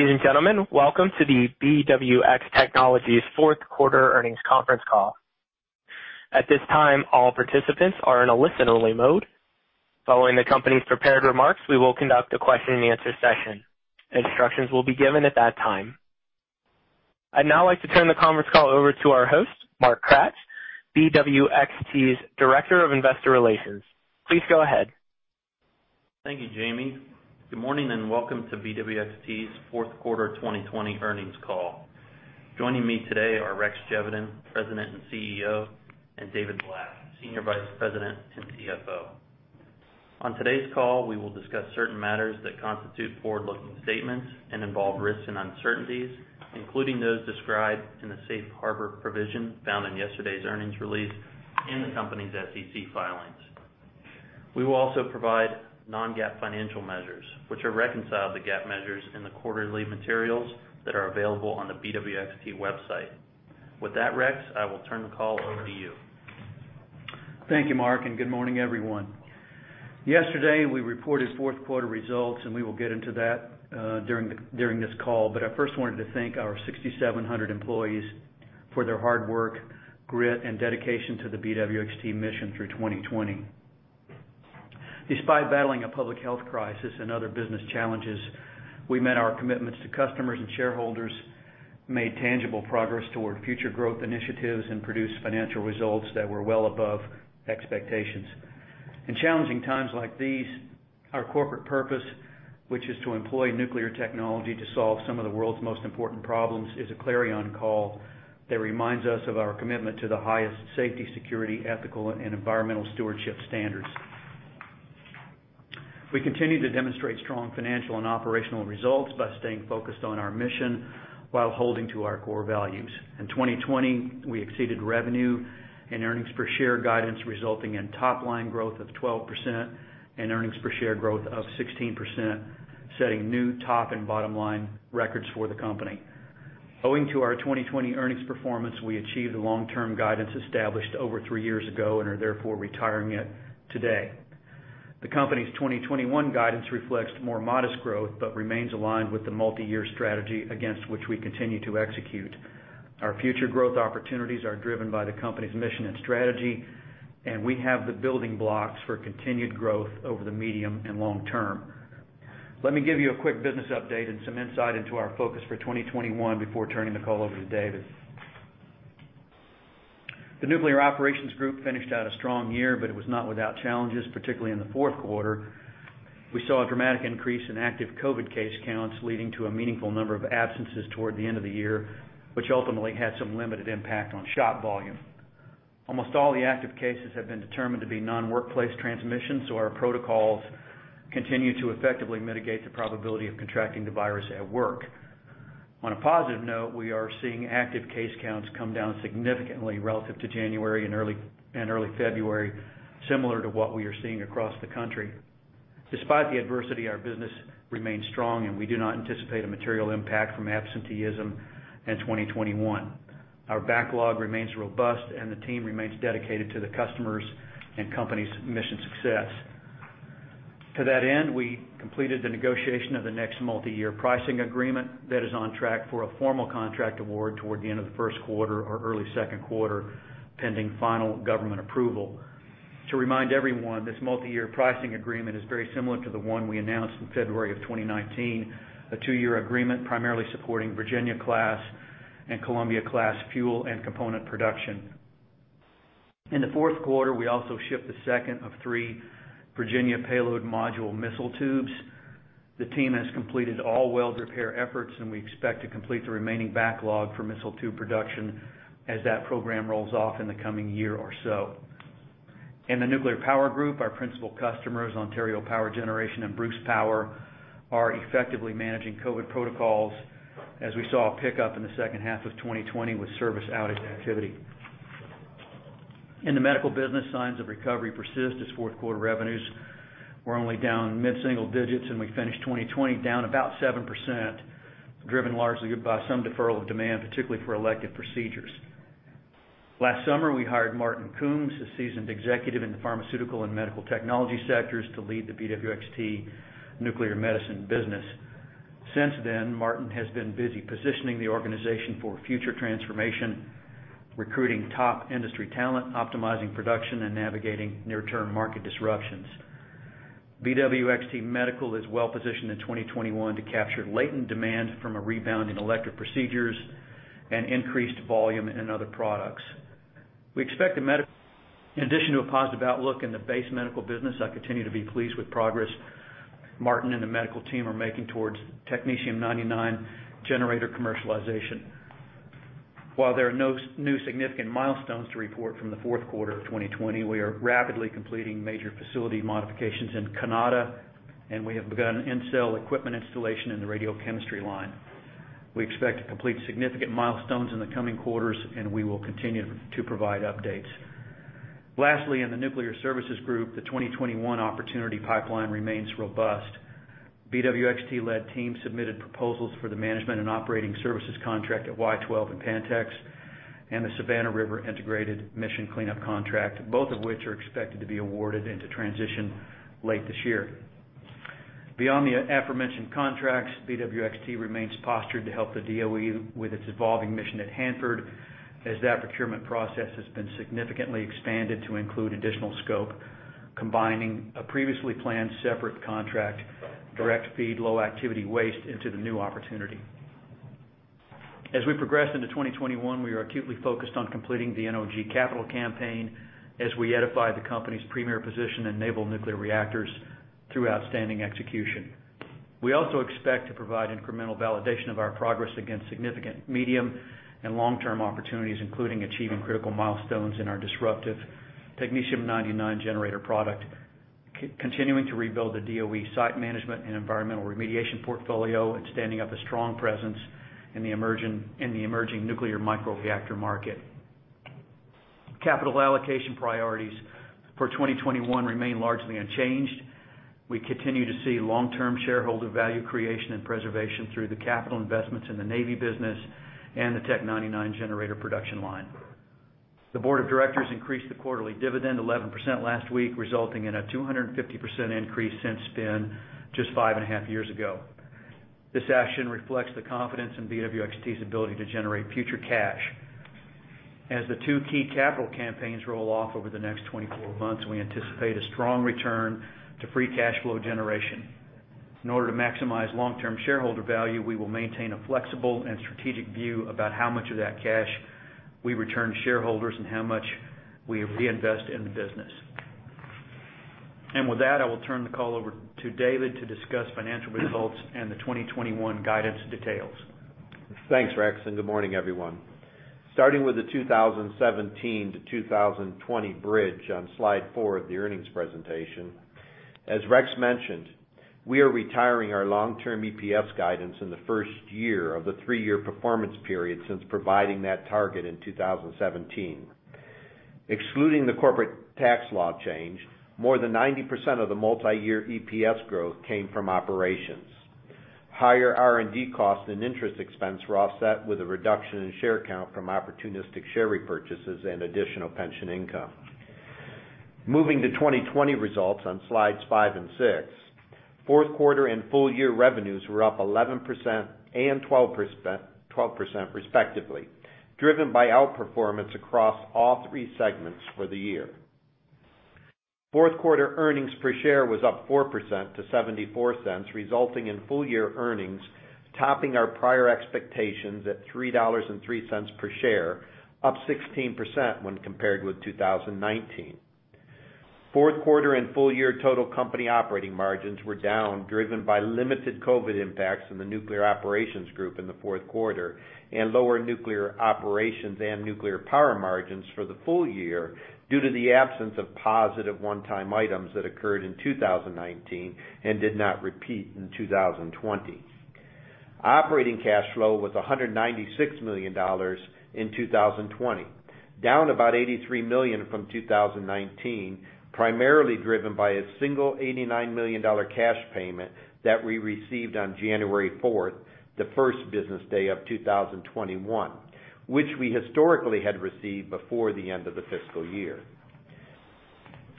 Ladies and gentlemen, welcome to the BWX Technologies fourth quarter earnings conference call. At this time, all participants are in a listen-only mode. Following the company's prepared remarks, we will conduct a question-and-answer session. Instructions will be given at that time. I'd now like to turn the conference call over to our host, Mark Kratz, BWXT's Director of Investor Relations. Please go ahead. Thank you, Jamie. Good morning, welcome to BWXT's fourth quarter 2020 earnings call. Joining me today are Rex Geveden, President and CEO, and David Black, Senior Vice President and CFO. On today's call, we will discuss certain matters that constitute forward-looking statements and involve risks and uncertainties, including those described in the safe harbor provision found in yesterday's earnings release in the company's SEC filings. We will also provide non-GAAP financial measures, which are reconciled to GAAP measures in the quarterly materials that are available on the BWXT website. With that, Rex, I will turn the call over to you. Thank you, Mark. Good morning, everyone. Yesterday, we reported fourth quarter results, and we will get into that during this call. I first wanted to thank our 6,700 employees for their hard work, grit, and dedication to the BWXT mission through 2020. Despite battling a public health crisis and other business challenges, we met our commitments to customers and shareholders, made tangible progress toward future growth initiatives, and produced financial results that were well above expectations. In challenging times like these, our corporate purpose, which is to employ nuclear technology to solve some of the world's most important problems, is a clarion call that reminds us of our commitment to the highest safety, security, ethical, and environmental stewardship standards. We continue to demonstrate strong financial and operational results by staying focused on our mission while holding to our core values. In 2020, we exceeded revenue and earnings per share guidance, resulting in top-line growth of 12% and earnings per share growth of 16%, setting new top and bottom-line records for the company. Owing to our 2020 earnings performance, we achieved the long-term guidance established over three years ago and are therefore retiring it today. The company's 2021 guidance reflects more modest growth but remains aligned with the multi-year strategy against which we continue to execute. Our future growth opportunities are driven by the company's mission and strategy, and we have the building blocks for continued growth over the medium and long term. Let me give you a quick business update and some insight into our focus for 2021 before turning the call over to David. The Nuclear Operations Group finished out a strong year, but it was not without challenges, particularly in the fourth quarter. We saw a dramatic increase in active COVID case counts, leading to a meaningful number of absences toward the end of the year, which ultimately had some limited impact on shop volume. Almost all the active cases have been determined to be non-workplace transmissions, so our protocols continue to effectively mitigate the probability of contracting the virus at work. On a positive note, we are seeing active case counts come down significantly relative to January and early February, similar to what we are seeing across the country. Despite the adversity, our business remains strong, and we do not anticipate a material impact from absenteeism in 2021. Our backlog remains robust, and the team remains dedicated to the customers' and company's mission success. To that end, we completed the negotiation of the next multi-year pricing agreement that is on track for a formal contract award toward the end of the first quarter or early second quarter, pending final government approval. To remind everyone, this multi-year pricing agreement is very similar to the one we announced in February of 2019, a two-year agreement primarily supporting Virginia-class and Columbia-class fuel and component production. In the fourth quarter, we also shipped the second of three Virginia Payload Module missile tubes. The team has completed all weld repair efforts, and we expect to complete the remaining backlog for missile tube production as that program rolls off in the coming year or so. In the Nuclear Power Group, our principal customers, Ontario Power Generation and Bruce Power, are effectively managing COVID protocols as we saw a pickup in the second half of 2020 with service outage activity. In the medical business, signs of recovery persist as fourth quarter revenues were only down mid-single digits, and we finished 2020 down about 7%, driven largely by some deferral of demand, particularly for elective procedures. Last summer, we hired Martyn Coombs, a seasoned executive in the pharmaceutical and medical technology sectors, to lead the BWXT Medical. Since then, Martyn has been busy positioning the organization for future transformation, recruiting top industry talent, optimizing production, and navigating near-term market disruptions. BWXT Medical is well-positioned in 2021 to capture latent demand from a rebound in elective procedures and increased volume in other products. In addition to a positive outlook in the base medical business, I continue to be pleased with progress Martyn and the medical team are making towards Technetium-99m generator commercialization. While there are no new significant milestones to report from the fourth quarter of 2020, we are rapidly completing major facility modifications in Canada. We have begun in-cell equipment installation in the radiochemistry line. We expect to complete significant milestones in the coming quarters. We will continue to provide updates. Lastly, in the Nuclear Services Group, the 2021 opportunity pipeline remains robust. BWXT-led team submitted proposals for the management and operating services contract at Y-12 and Pantex. The Savannah River integrated mission cleanup contract, both of which are expected to be awarded into transition late this year. Beyond the aforementioned contracts, BWXT remains postured to help the DOE with its evolving mission at Hanford, as that procurement process has been significantly expanded to include additional scope, combining a previously planned separate contract, Direct-Feed Low-Activity Waste into the new opportunity. As we progress into 2021, we are acutely focused on completing the NOG capital campaign as we edify the company's premier position in naval nuclear reactors through outstanding execution. We also expect to provide incremental validation of our progress against significant medium and long-term opportunities, including achieving critical milestones in our disruptive Technetium-99 generator product, continuing to rebuild the DOE site management and environmental remediation portfolio, and standing up a strong presence in the emerging nuclear microreactor market. Capital allocation priorities for 2021 remain largely unchanged. We continue to see long-term shareholder value creation and preservation through the capital investments in the Navy business and the Tech-99 generator production line. The Board of Directors increased the quarterly dividend 11% last week, resulting in a 250% increase since spin just five and a half years ago. This action reflects the confidence in BWXT's ability to generate future cash. As the two key capital campaigns roll off over the next 24 months, we anticipate a strong return to free cash flow generation. In order to maximize long-term shareholder value, we will maintain a flexible and strategic view about how much of that cash we return to shareholders and how much we reinvest in the business. With that, I will turn the call over to David to discuss financial results and the 2021 guidance details. Thanks, Rex, and good morning, everyone. Starting with the 2017-2020 bridge on slide four of the earnings presentation. As Rex mentioned, we are retiring our long-term EPS guidance in the first year of the three-year performance period, since providing that target in 2017. Excluding the corporate tax law change, more than 90% of the multi-year EPS growth came from operations. Higher R&D costs and interest expense were offset with a reduction in share count from opportunistic share repurchases and additional pension income. Moving to 2020 results on slides five and six, fourth quarter and full year revenues were up 11% and 12%, respectively, driven by outperformance across all three segments for the year. Fourth quarter earnings per share was up 4% to $0.74, resulting in full-year earnings topping our prior expectations at $3.03 per share, up 16% when compared with 2019. Fourth quarter and full-year total company operating margins were down, driven by limited COVID impacts in the Nuclear Operations Group in the fourth quarter, and lower Nuclear Operations and Nuclear Power margins for the full year due to the absence of positive one-time items that occurred in 2019 and did not repeat in 2020. Operating cash flow was $196 million in 2020, down about $83 million from 2019, primarily driven by a single $89 million cash payment that we received on January 4th, the first business day of 2021, which we historically had received before the end of the fiscal year.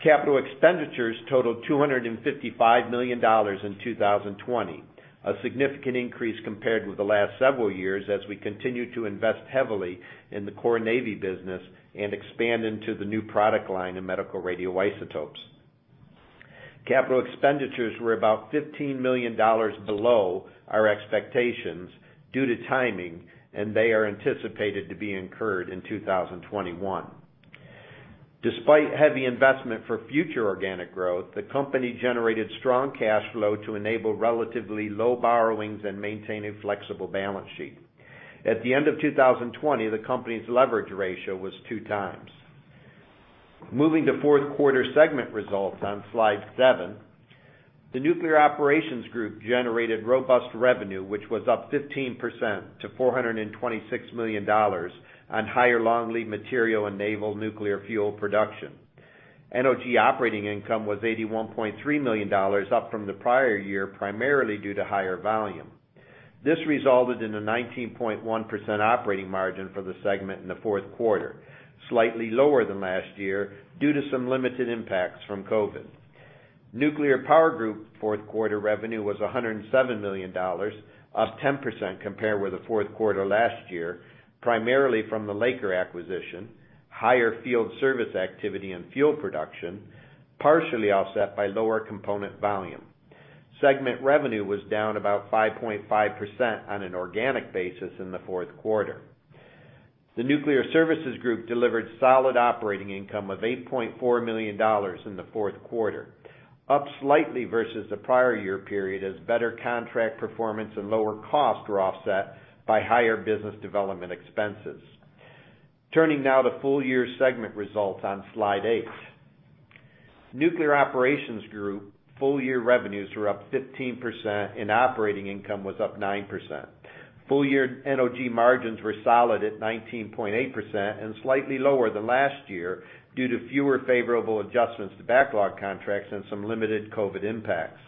Capital expenditures totaled $255 million in 2020, a significant increase compared with the last several years as we continue to invest heavily in the core Navy business and expand into the new product line of medical radioisotopes. Capital expenditures were about $15 million below our expectations due to timing, they are anticipated to be incurred in 2021. Despite heavy investment for future organic growth, the company generated strong cash flow to enable relatively low borrowings and maintain a flexible balance sheet. At the end of 2020, the company's leverage ratio was 2x. Moving to fourth quarter segment results on slide seven. The Nuclear Operations Group generated robust revenue, which was up 15% to $426 million on higher long lead material and naval nuclear fuel production. NOG operating income was $81.3 million, up from the prior year, primarily due to higher volume. This resulted in a 19.1% operating margin for the segment in the fourth quarter, slightly lower than last year due to some limited impacts from COVID. Nuclear Power Group fourth quarter revenue was $107 million, up 10% compared with the fourth quarter last year, primarily from the Laker acquisition, higher field service activity and fuel production, partially offset by lower component volume. Segment revenue was down about 5.5% on an organic basis in the fourth quarter. The Nuclear Services Group delivered solid operating income of $8.4 million in the fourth quarter, up slightly versus the prior year period as better contract performance and lower cost were offset by higher business development expenses. Turning now to full-year segment results on slide eight. Nuclear Operations Group full-year revenues were up 15%, and operating income was up 9%. Full-year NOG margins were solid at 19.8% and slightly lower than last year due to fewer favorable adjustments to backlog contracts and some limited COVID impacts.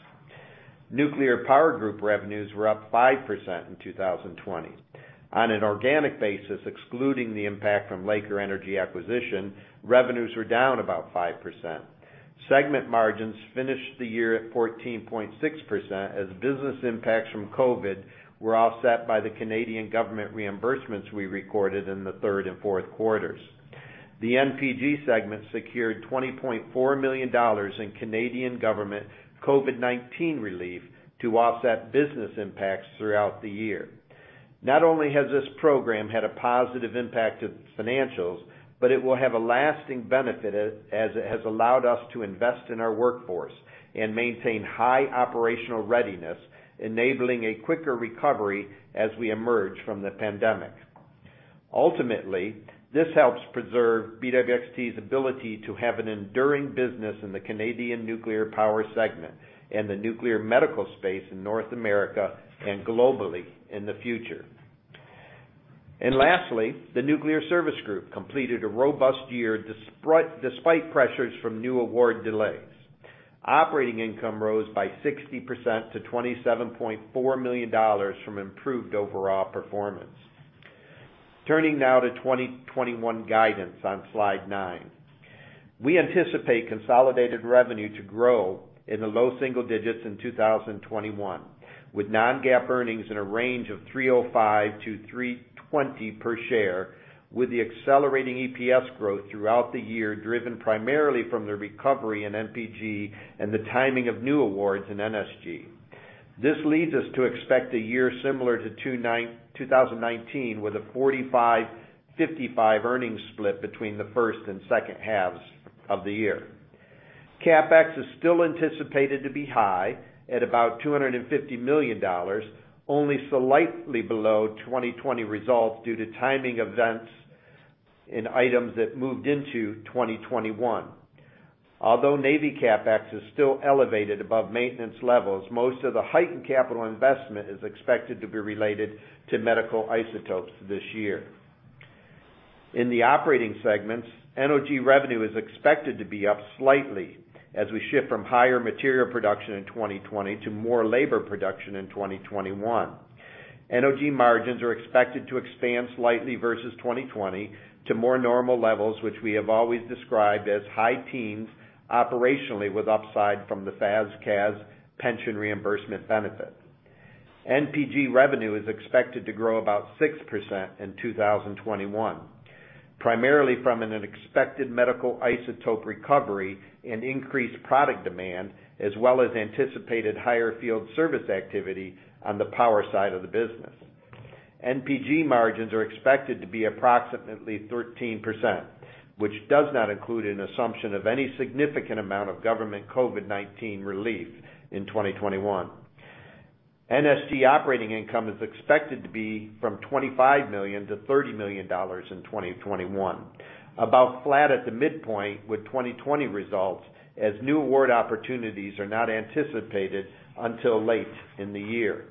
Nuclear Power Group revenues were up 5% in 2020. On an organic basis, excluding the impact from Laker Energy acquisition, revenues were down about 5%. Segment margins finished the year at 14.6% as business impacts from COVID were offset by the Canadian government reimbursements we recorded in the third and fourth quarters. The NPG segment secured $20.4 million in Canadian government COVID-19 relief to offset business impacts throughout the year. Not only has this program had a positive impact to the financials, but it will have a lasting benefit as it has allowed us to invest in our workforce and maintain high operational readiness, enabling a quicker recovery as we emerge from the pandemic. Ultimately, this helps preserve BWXT's ability to have an enduring business in the Canadian nuclear power segment and the nuclear medical space in North America and globally in the future. Lastly, the Nuclear Services Group completed a robust year despite pressures from new award delays. Operating income rose by 60% to $27.4 million from improved overall performance. Turning now to 2021 guidance on slide nine. We anticipate consolidated revenue to grow in the low single digits in 2021, with non-GAAP earnings in a range of $3.05-$3.20 per share with the accelerating EPS growth throughout the year, driven primarily from the recovery in NPG and the timing of new awards in NSG. This leads us to expect a year similar to 2019 with a 45-55 earnings split between the first and second halves of the year. CapEx is still anticipated to be high at about $250 million, only slightly below 2020 results due to timing events in items that moved into 2021. Although Navy CapEx is still elevated above maintenance levels, most of the heightened capital investment is expected to be related to medical isotopes this year. In the operating segments, NOG revenue is expected to be up slightly as we shift from higher material production in 2020 to more labor production in 2021. NOG margins are expected to expand slightly versus 2020 to more normal levels, which we have always described as high teens operationally with upside from the FAS/CAS pension reimbursement benefit. NPG revenue is expected to grow about 6% in 2021, primarily from an expected medical isotope recovery and increased product demand, as well as anticipated higher field service activity on the power side of the business. NPG margins are expected to be approximately 13%, which does not include an assumption of any significant amount of government COVID-19 relief in 2021. NSG operating income is expected to be from $25 million-$30 million in 2021, about flat at the midpoint with 2020 results as new award opportunities are not anticipated until late in the year.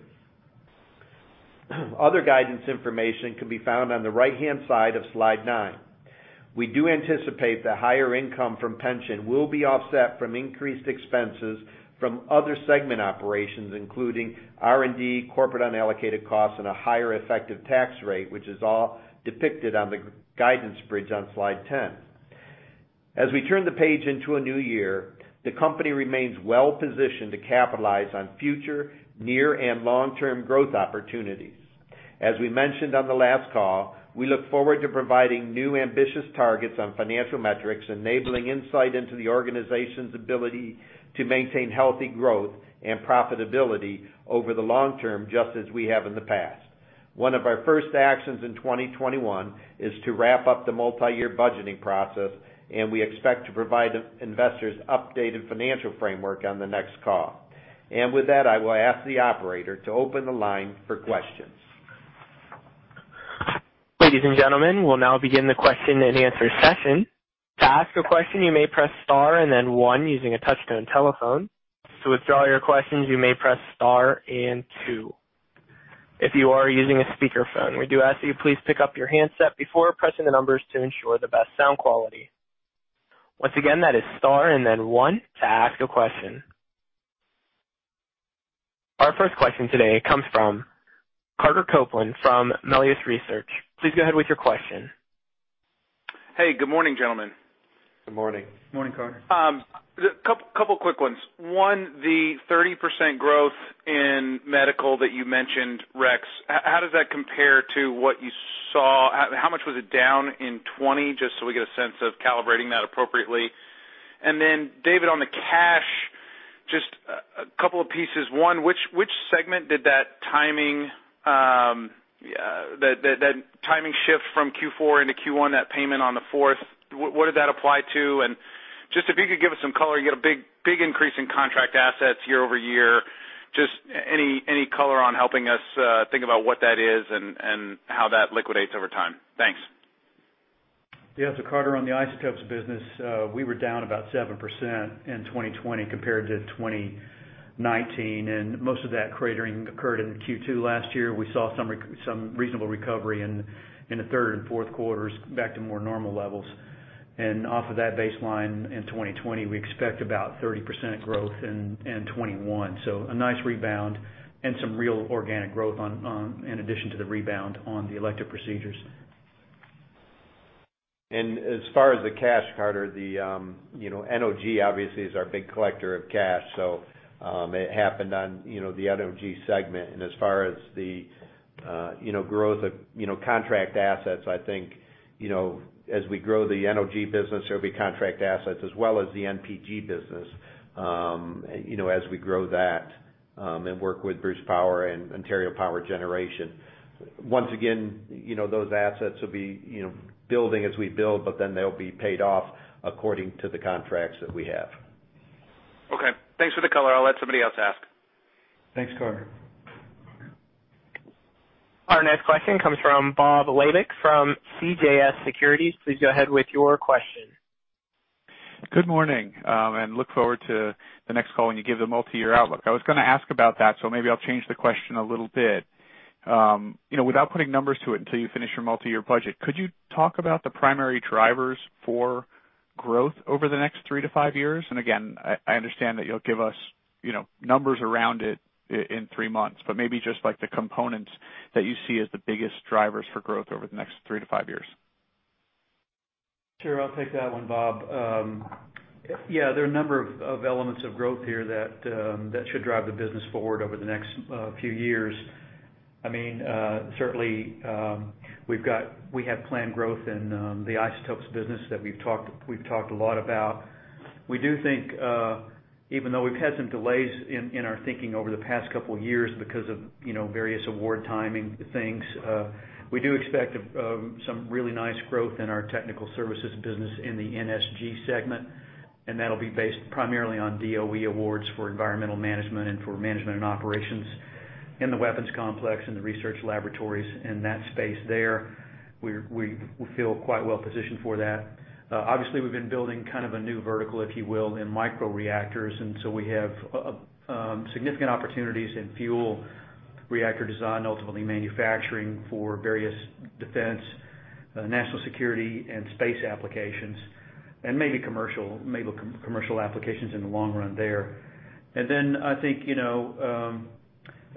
Other guidance information can be found on the right-hand side of slide nine. We do anticipate the higher income from pension will be offset from increased expenses from other segment operations, including R&D, corporate unallocated costs, and a higher effective tax rate, which is all depicted on the guidance bridge on slide 10. As we turn the page into a new year, the company remains well-positioned to capitalize on future near and long-term growth opportunities. As we mentioned on the last call, we look forward to providing new ambitious targets on financial metrics, enabling insight into the organization's ability to maintain healthy growth and profitability over the long term, just as we have in the past. One of our first actions in 2021 is to wrap up the multi-year budgeting process, and we expect to provide investors updated financial framework on the next call. With that, I will ask the operator to open the line for questions. Ladies and gentlemen, we'll now begin the question-and-answer session. To ask a question, you may press star and then one using a touchtone telephone. To withdraw your question, you may press star then two. If you're using a speakerphone we do ask you to please to pick up your handset befottr pressing the numbers to ensure the best sound quality. Once again, that is star and then one to ask a question. Our first question today comes from Carter Copeland from Melius Research. Please go ahead with your question. Hey, good morning, gentlement. Good morning. Morning, Carter. A couple quick ones. One, the 30% growth in medical that you mentioned, Rex, how does that compare to what you saw? How much was it down in 2020, just so we get a sense of calibrating that appropriately? David, on the cash, just a couple of pieces. One, which segment did that timing shift from Q4 into Q1, that payment on the fourth, what did that apply to? Just if you could give us some color, you got a big increase in contract assets year-over-year. Just any color on helping us think about what that is and how that liquidates over time. Thanks. Yeah. Carter, on the isotopes business, we were down about 7% in 2020 compared to 2019, and most of that cratering occurred in Q2 last year. We saw some reasonable recovery in the third and fourth quarters back to more normal levels. Off of that baseline in 2020, we expect about 30% growth in 2021. A nice rebound and some real organic growth in addition to the rebound on the elective procedures. As far as the cash, Carter, the NOG obviously is our big collector of cash. It happened on the NOG segment. As far as the growth of contract assets, I think as we grow the NOG business, there will be contract assets as well as the NPG business as we grow that and work with Bruce Power and Ontario Power Generation. Once again, those assets will be building as we build, but then they will be paid off according to the contracts that we have. Okay. Thanks for the color. I'll let somebody else ask. Thanks, Carter. Our next question comes from Bob Labick from CJS Securities. Please go ahead with your question. Good morning. Look forward to the next call when you give the multi-year outlook. I was going to ask about that. Maybe I'll change the question a little bit. Without putting numbers to it until you finish your multi-year budget, could you talk about the primary drivers for growth over the next three to five years? Again, I understand that you'll give us numbers around it in three months. Maybe just the components that you see as the biggest drivers for growth over the next three to five years. Sure. I'll take that one, Bob. There are a number of elements of growth here that should drive the business forward over the next few years. Certainly, we have planned growth in the isotopes business that we've talked a lot about. We do think, even though we've had some delays in our thinking over the past couple of years because of various award timing things, we do expect some really nice growth in our technical services business in the NSG segment, and that'll be based primarily on DOE Awards for environmental management and for management and operations in the weapons complex and the research laboratories and that space there. We feel quite well positioned for that. Obviously, we've been building kind of a new vertical, if you will, in microreactors, we have significant opportunities in fuel reactor design, ultimately manufacturing for various defense, national security, and space applications, and maybe commercial applications in the long run there. I think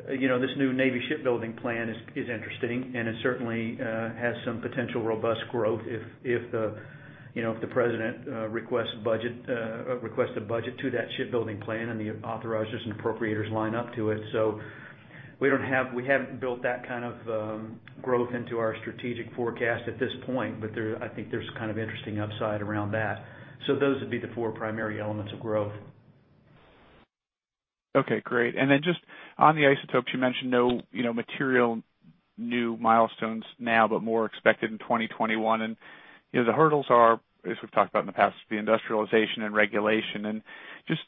this new Navy Shipbuilding Plan is interesting, and it certainly has some potential robust growth if the president requests a budget to that Shipbuilding Plan and the authorizers and appropriators line up to it. We haven't built that kind of growth into our strategic forecast at this point, but I think there's kind of interesting upside around that. Those would be the four primary elements of growth. Okay, great. Then just on the isotopes, you mentioned no material new milestones now, but more expected in 2021. The hurdles are, as we've talked about in the past, the industrialization and regulation. Just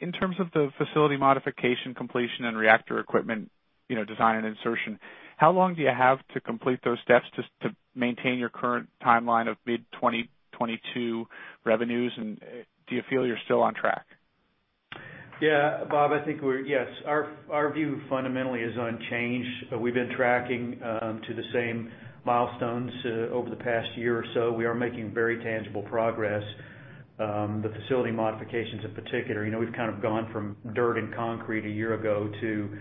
in terms of the facility modification completion and reactor equipment design and insertion, how long do you have to complete those steps to maintain your current timeline of mid-2022 revenues, and do you feel you're still on track? Yeah. Bob, I think our view fundamentally is unchanged. We've been tracking to the same milestones over the past year or so. We are making very tangible progress, the facility modifications in particular. We've kind of gone from dirt and concrete a year ago to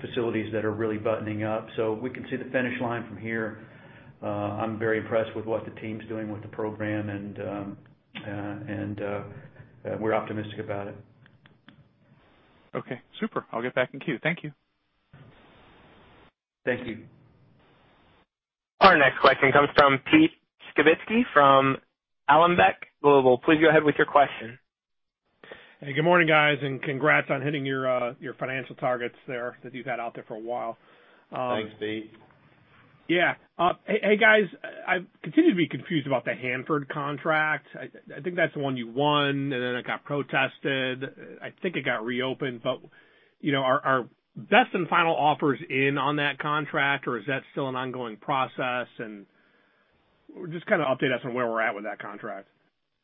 facilities that are really buttoning up. We can see the finish line from here. I'm very impressed with what the team's doing with the program, and we're optimistic about it. Okay, super. I'll get back in queue. Thank you. Thank you. Our next question comes from Pete Skibitski from Alembic Global. Please go ahead with your question. Hey, good morning, guys, and congrats on hitting your financial targets there that you've had out there for a while. Thanks, Pete. Yeah. Hey, guys, I continue to be confused about the Hanford contract. I think that's the one you won, and then it got protested. I think it got reopened, are best and final offers in on that contract, or is that still an ongoing process? Just kind of update us on where we're at with that contract.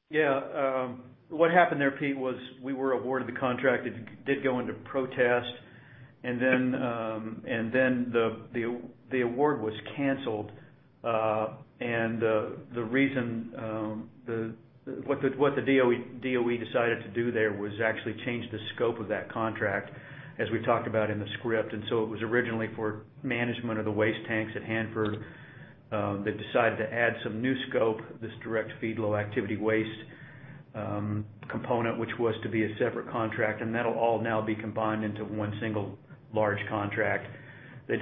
Yeah. What happened there, Pete, was we were awarded the contract. It did go into protest, the award was canceled. What the DOE decided to do there was actually change the scope of that contract, as we talked about in the script. It was originally for management of the waste tanks at Hanford. They decided to add some new scope, this Direct-Feed Low-Activity Waste component, which was to be a separate contract, and that'll all now be combined into one single large contract. The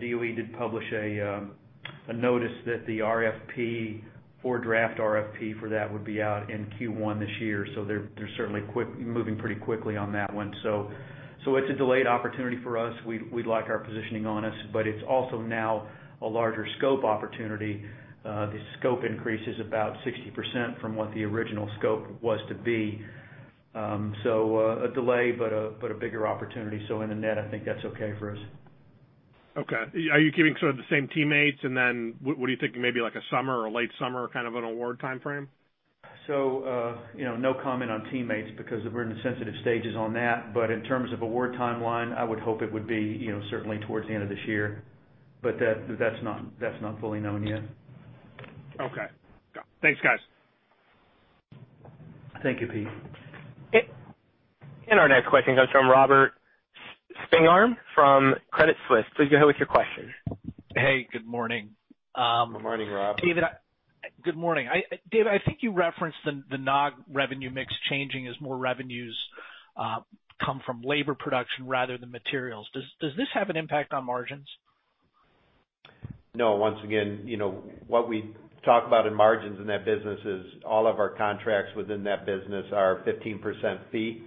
DOE did publish a notice that the RFP or draft RFP for that would be out in Q1 this year, so they're certainly moving pretty quickly on that one. It's a delayed opportunity for us. We'd like our positioning on us, but it's also now a larger scope opportunity. The scope increase is about 60% from what the original scope was to be, so a delay, but a bigger opportunity. In the net, I think that's okay for us. Okay. Are you keeping sort of the same teammates? What are you thinking, maybe like a summer or late summer kind of an award timeframe? No comment on Teammates because we're in the sensitive stages on that. In terms of award timeline, I would hope it would be certainly towards the end of this year, but that's not fully known yet. Okay. Thanks, guys. Thank you, Pete. Our next question comes from Robert Spingarn from Credit Suisse. Please go ahead with your question. Hey, good morning. Good morning, Rob. David, good morning. David, I think you referenced the NOG revenue mix changing as more revenues come from labor production rather than materials. Does this have an impact on margins? No. Once again, what we talk about in margins in that business is all of our contracts within that business are 15% fee,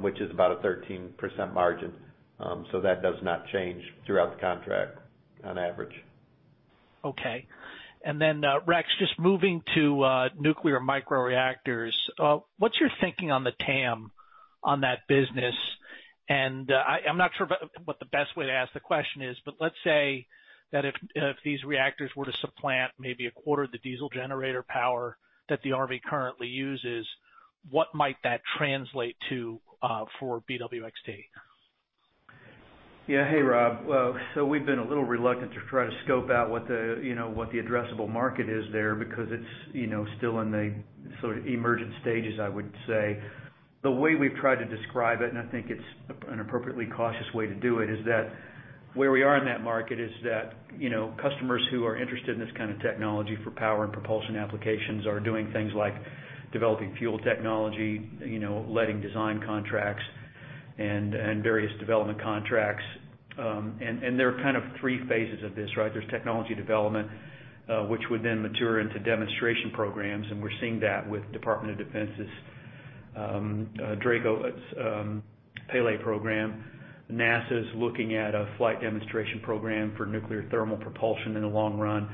which is about a 13% margin. That does not change throughout the contract, on average. Okay. Then, Rex, just moving to nuclear microreactors, what's your thinking on the TAM on that business? I'm not sure what the best way to ask the question is, let's say that if these reactors were to supplant maybe a quarter of the diesel generator power that the Army currently uses, what might that translate to for BWXT? Yeah. Hey, Rob. We've been a little reluctant to try to scope out what the addressable market is there because it's still in the sort of emergent stages, I would say. The way we've tried to describe it, and I think it's an appropriately cautious way to do it, is that where we are in that market is that customers who are interested in this kind of technology for power and propulsion applications are doing things like developing fuel technology, letting design contracts and various development contracts. There are kind of three phases of this, right? There's technology development, which would then mature into demonstration programs, and we're seeing that with Department of Defense's DRACO Pele program. NASA's looking at a flight demonstration program for nuclear thermal propulsion in the long run.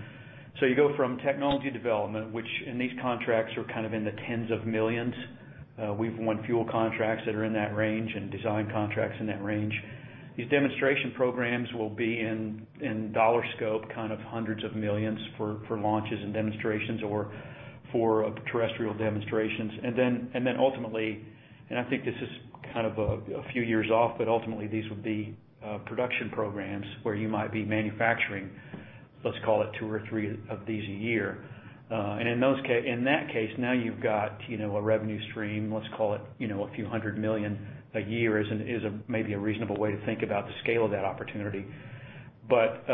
You go from technology development, which, in these contracts, are kind of in the tens of millions. We've won fuel contracts that are in that range and design contracts in that range. These demonstration programs will be in dollar scope, kind of hundreds of millions for launches and demonstrations or for terrestrial demonstrations. Then ultimately, and I think this is kind of a few years off, but ultimately these would be production programs where you might be manufacturing, let's call it two or three of these a year. In that case, now you've got a revenue stream, let's call it a few $100 million a year is maybe a reasonable way to think about the scale of that opportunity but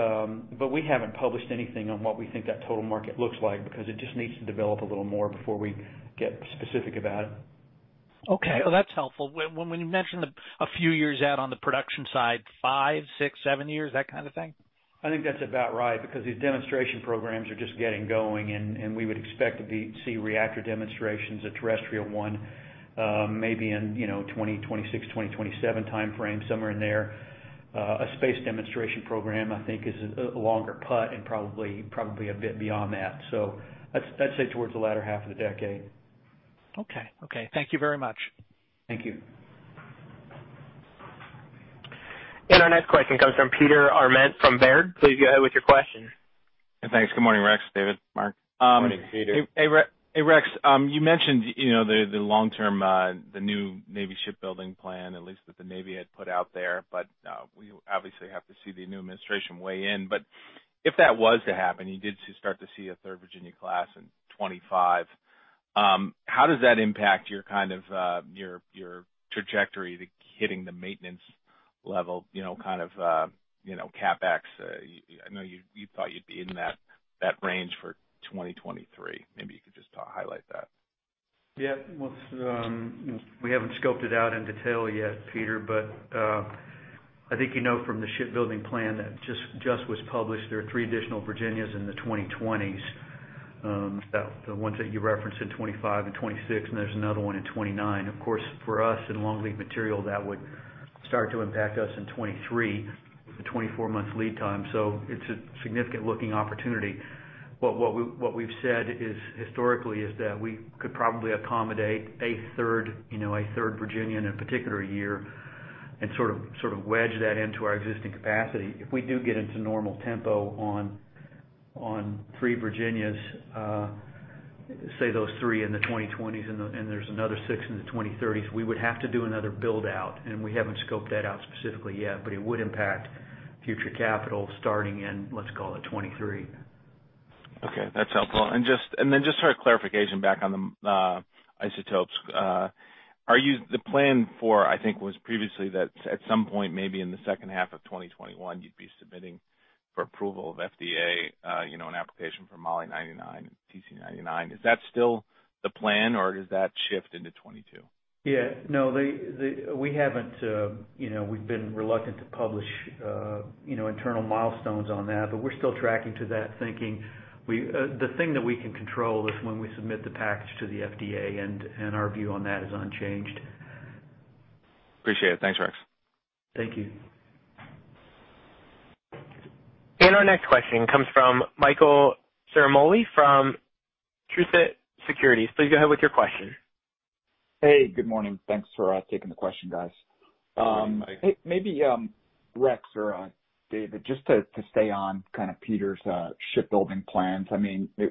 we haven't published anything on what we think that total market looks like because it just needs to develop a little more before we get specific about it. Okay. Well, that's helpful. When you mentioned a few years out on the production side, five, six, seven years, that kind of thing? I think that's about right, because these demonstration programs are just getting going, and we would expect to see reactor demonstrations, a terrestrial one, maybe in 2026, 2027 timeframe, somewhere in there. A space demonstration program, I think, is a longer putt and probably a bit beyond that. I'd say towards the latter half of the decade. Okay. Thank you very much. Thank you. Our next question comes from Peter Arment from Baird. Please go ahead with your question. Thanks. Good morning, Rex, David, Mark. Morning, Peter. Hey, Rex. You mentioned the long-term, the new Navy Shipbuilding Plan, at least that the Navy had put out there. We obviously have to see the new administration weigh in. If that was to happen, you did start to see a third Virginia-class in 2025. How does that impact your trajectory to hitting the maintenance level, kind of CapEx? I know you thought you'd be in that range for 2023. Maybe you could just highlight that. We haven't scoped it out in detail yet, Peter, I think you know from the Shipbuilding Plan that just was published, there are three additional Virginias in the 2020s. The ones that you referenced in 2025 and 2026, and there's another one in 2029. Of course, for us, in long lead material, that would start to impact us in 2023, with the 24 months lead time. It's a significant-looking opportunity. What we've said historically is that we could probably accommodate a third Virginia in a particular year and sort of wedge that into our existing capacity. If we do get into normal tempo on three Virginias, say those three in the 2020s and there's another six in the 2030s, we would have to do another build-out, and we haven't scoped that out specifically yet, it would impact future capital starting in, let's call it 2023. Okay, that's helpful. Then just for clarification back on the isotopes. The plan for, I think, was previously that at some point, maybe in the second half of 2021, you'd be submitting for approval of FDA, an application for Moly-99 and Tc-99. Is that still the plan, or does that shift into 2022? No, we've been reluctant to publish internal milestones on that, but we're still tracking to that thinking. The thing that we can control is when we submit the package to the FDA, and our view on that is unchanged. Appreciate it. Thanks, Rex. Thank you. Our next question comes from Michael Ciarmoli from Truist Securities. Please go ahead with your question. Hey, good morning. Thanks for taking the question, guys. Good morning, Mike. Hey, maybe, Rex or David, just to stay on Peter's Shipbuilding Plans.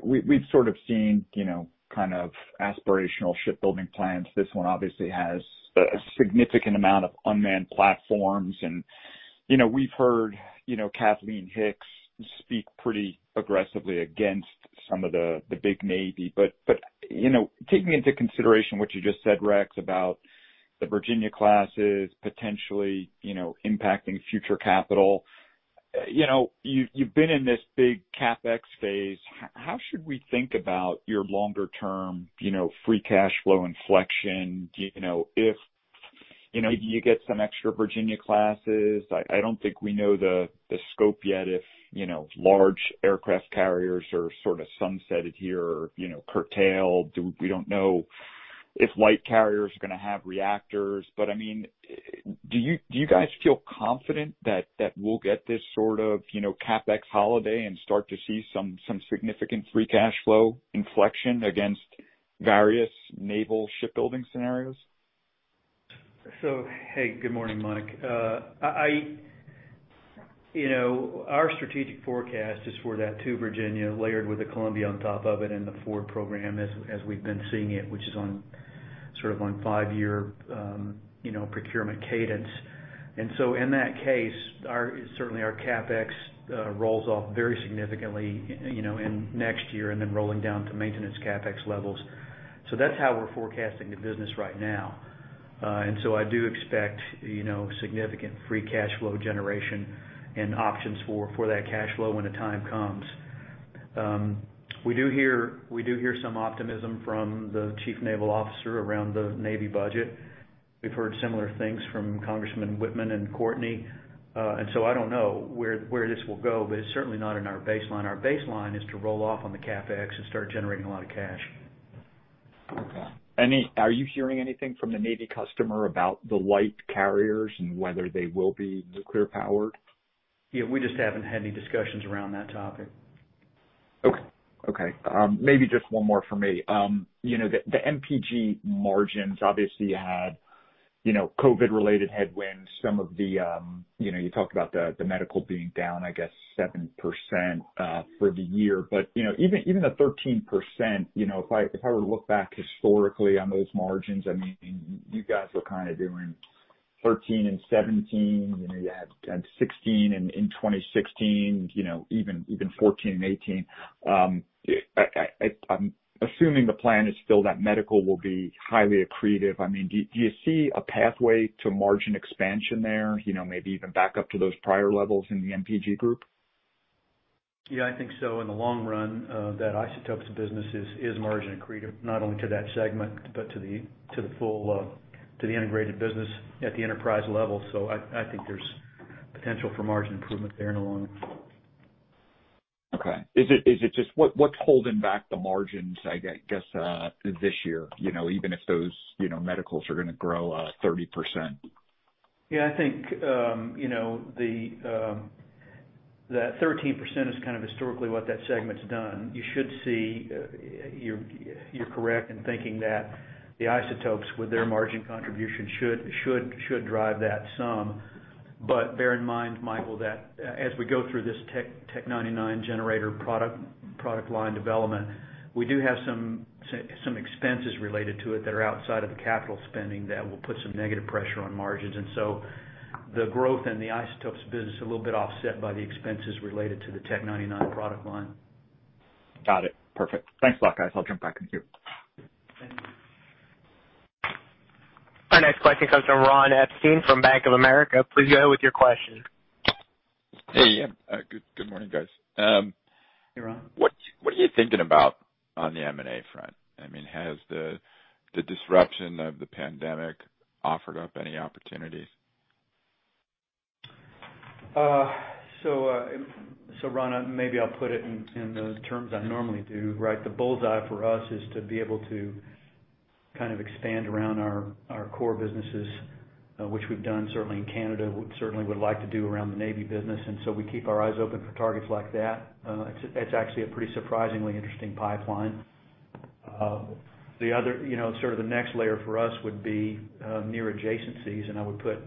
We've sort of seen aspirational Shipbuilding Plans. These obviously has significant amount in these platforms. We've heard Kathleen Hicks speak pretty aggressively against some of the big Navy. Taking into consideration what you just said, Rex, about the Virginia classes potentially impacting future capital, you've been in this big CapEx phase, how should we think about your longer term free cash flow inflection? Do you get some extra Virginia classes? I don't think we know the scope yet if large aircraft carriers are sort of sunsetted here or curtailed. We don't know if light carriers are going to have reactors, do you guys feel confident that we'll get this sort of CapEx holiday and start to see some significant free cash flow inflection against various naval shipbuilding scenarios? Hey, good morning, Mike. Our strategic forecast is for that two Virginia layered with a Columbia on top of it and the Ford program as we've been seeing it, which is on sort of on five-year procurement cadence. In that case, certainly our CapEx rolls off very significantly in next year and then rolling down to maintenance CapEx levels, so that's how we're forecasting the business right now. I do expect significant free cash flow generation and options for that cash flow when the time comes. We do hear some optimism from the chief naval officer around the Navy budget. We've heard similar things from Congressmen Wittman and Courtney. I don't know where this will go, but it's certainly not in our baseline. Our baseline is to roll off on the CapEx and start generating a lot of cash. Okay. Are you hearing anything from the Navy customer about the light carriers and whether they will be nuclear-powered? Yeah, we just haven't had any discussions around that topic. Okay. Maybe just one more from me. The NPG margins obviously had COVID-related headwinds. You talked about the medical being down, I guess 7% for the year. Even the 13%, if I were to look back historically on those margins, you guys were kind of doing 13% and 17%, you had 16% in 2016, even 14% and 2018. I'm assuming the plan is still that medical will be highly accretive. Do you see a pathway to margin expansion there? Maybe even back up to those prior levels in the NPG Group? Yeah, I think so. In the long run, that isotopes business is margin accretive, not only to that segment, but to the integrated business at the enterprise level. I think there's potential for margin improvement there in the long run. Okay. What's holding back the margins, I guess, this year, even if those medicals are going to grow 30%? Yeah, I think that 13% is kind of historically what that segment's done. You're correct in thinking that the isotopes, with their margin contribution, should drive that sum. Bear in mind, Michael, that as we go through this Tech-99 generator product line development, we do have some expenses related to it that are outside of the capital spending that will put some negative pressure on margins. The growth in the isotopes business a little bit offset by the expenses related to the Tech-99 product line. Got it. Perfect. Thanks a lot, guys. I'll jump back in the queue. Thank you. Our next question comes from Ron Epstein from Bank of America. Please go ahead with your question. Hey. Good morning, guys. Hey, Ron. What are you thinking about on the M&A front? Has the disruption of the pandemic offered up any opportunities? Ron, maybe I'll put it in those terms I normally do, right? The bullseye for us is to be able to kind of expand around our core businesses, which we've done certainly in Canada. Certainly would like to do around the Navy business, and so we keep our eyes open for targets like that. It's actually a pretty surprisingly interesting pipeline. Sort of the next layer for us would be, near adjacencies, and I would put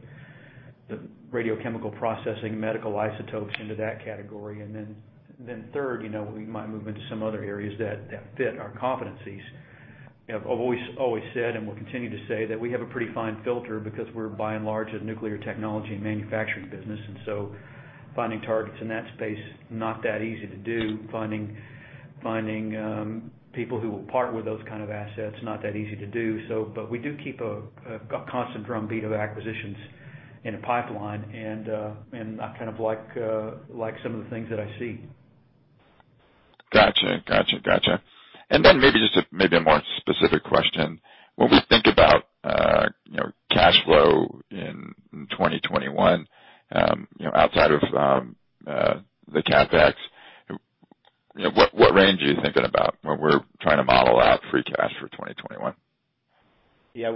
the radiochemical processing medical isotopes into that category. Third, we might move into some other areas that fit our competencies. I've always said, and will continue to say, that we have a pretty fine filter because we're by and large a nuclear technology and manufacturing business, and so finding targets in that space, not that easy to do. Finding people who will part with those kind of assets, not that easy to do. We do keep a constant drumbeat of acquisitions in the pipeline, and I kind of like some of the things that I see. Got you. Maybe a more specific question. When we think about cash flow in 2021, outside of the CapEx, what range are you thinking about when we're trying to model out free cash for 2021? Yeah.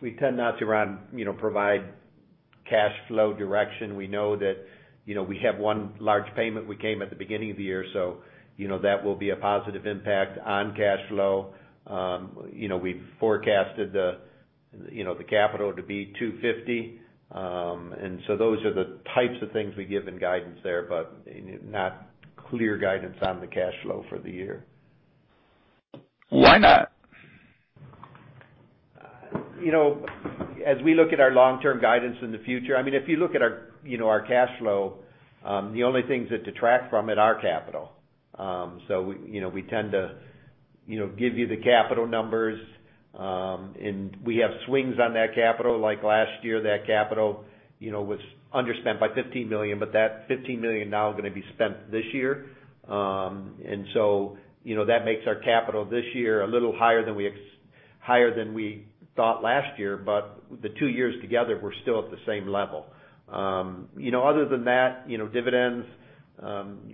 We tend not to provide cash flow direction. We know that we have one large payment which came at the beginning of the year, so that will be a positive impact on cash flow. We've forecasted the capital to be $250. Those are the types of things we give in guidance there, but not clear guidance on the cash flow for the year. Why not? As we look at our long-term guidance in the future, if you look at our cash flow, the only things that detract from it are capital. We tend to give you the capital numbers, and we have swings on that capital. Like last year, that capital was underspent by $15 million, that $15 million now is going to be spent this year. That makes our capital this year a little higher than we thought last year, the two years together, we're still at the same level. Other than that, dividends,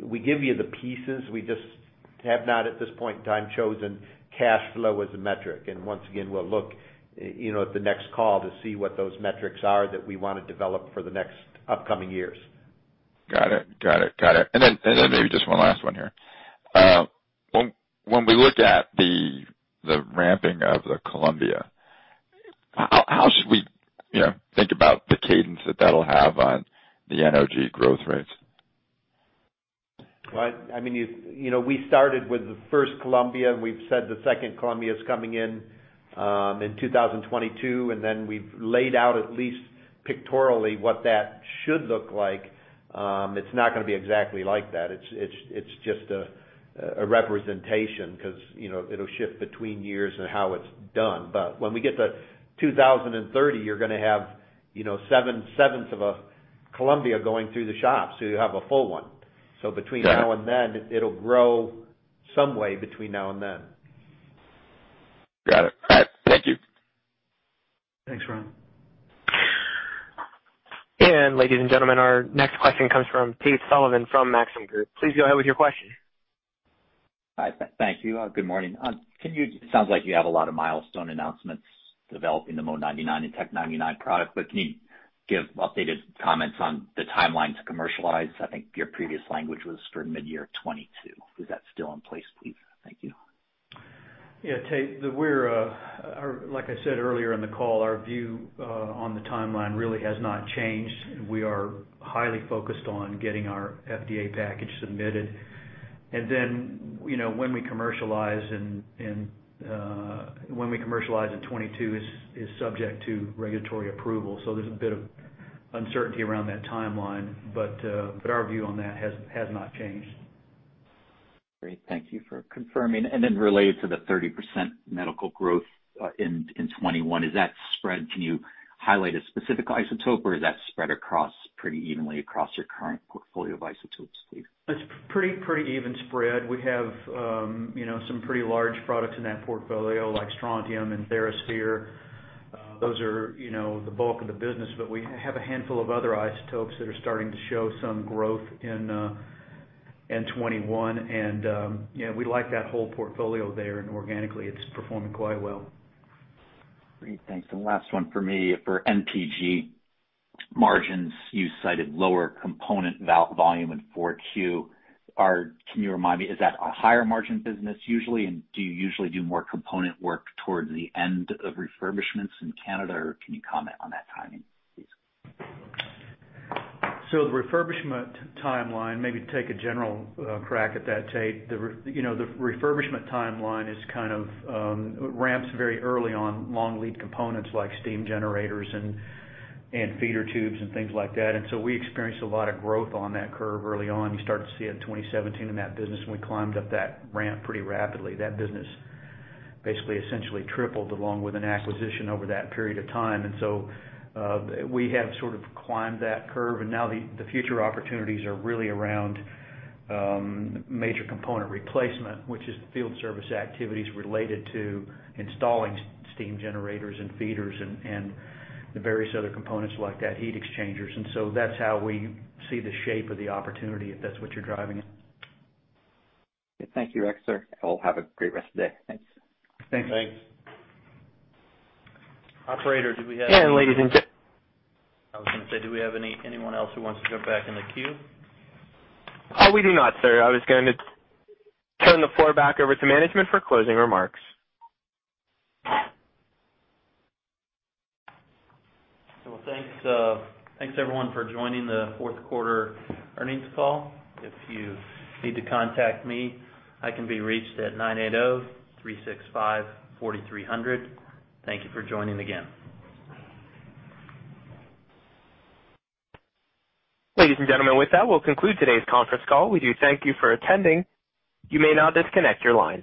we give you the pieces, we just have not, at this point in time, chosen cash flow as a metric. Once again, we'll look at the next call to see what those metrics are that we want to develop for the next upcoming years. Got it. Then maybe just one last one here. When we look at the ramping of the Columbia, how should we think about the cadence that that'll have on the NOG growth rates? We started with the first Columbia-class, we've said the second Columbia-class is coming in 2022, and then we've laid out at least pictorially what that should look like. It's not going to be exactly like that. It's just a representation because it'll shift between years in how it's done. When we get to 2030, you're going to have 7/7 of a Columbia-class going through the shop, so you'll have a full one. Between now and then, it'll grow some way between now and then. Got it. All right. Thank you. Thanks, Ron. Ladies and gentlemen, our next question comes from Tate Sullivan from Maxim Group. Please go ahead with your question. Hi. Thank you. Good morning. It sounds like you have a lot of milestone announcements developing the Mo-99 and Tech-99 product. Can you give updated comments on the timeline to commercialize? I think your previous language was for mid-year 2022. Is that still in place, please? Thank you. Yeah, Tate, like I said earlier in the call, our view on the timeline really has not changed. We are highly focused on getting our FDA package submitted. When we commercialize in 2022 is subject to regulatory approval. There's a bit of uncertainty around that timeline, but our view on that has not changed. Great. Thank you for confirming. Related to the 30% medical growth in 2021, can you highlight a specific isotope or is that spread across pretty evenly across your current portfolio of isotopes, please? It's pretty even spread. We have some pretty large products in that portfolio, like Strontium-82 and TheraSphere. Those are the bulk of the business. We have a handful of other isotopes that are starting to show some growth in 2021, and we like that whole portfolio there, and organically, it's performing quite well. Great. Thanks. Last one from me. For NPG margins, you cited lower component volume in 4Q. Can you remind me, is that a higher margin business usually, and do you usually do more component work towards the end of refurbishments in Canada, or can you comment on that timing, please? The refurbishment timeline, maybe to take a general crack at that, Tate. The refurbishment timeline ramps very early on long lead components like steam generators and feeder tubes and things like that. We experienced a lot of growth on that curve early on. You started to see it in 2017 in that business, and we climbed up that ramp pretty rapidly. That business basically essentially tripled along with an acquisition over that period of time. We have sort of climbed that curve, and now the future opportunities are really around major component replacement, which is field service activities related to installing steam generators and feeders and the various other components like that, heat exchangers. That's how we see the shape of the opportunity, if that's what you're driving at. Thank you, Rex. Sir, have a great rest of the day. Thanks. Thanks. Thanks. Operator do we have- And ladies and gent- I was going to say, do we have anyone else who wants to jump back in the queue? We do not, sir. I was going to turn the floor back over to management for closing remarks. Thanks. Thanks everyone for joining the fourth quarter earnings call. If you need to contact me, I can be reached at 980-365-4300. Thank you for joining again. Ladies and gentlemen, with that, we'll conclude today's conference call. We do thank you for attending. You may now disconnect your lines.